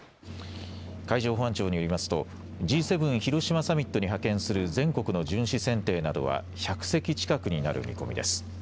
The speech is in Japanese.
海上保安庁によりますとＧ７広島サミットに派遣する全国の巡視船艇などは１００隻近くになる見込みです。